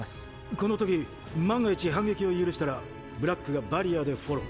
この時万が一反撃を許したらブラックがバリアでフォロー。